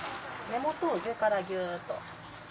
根元を上からギュっと。